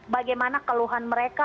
bagaimana keluhan mereka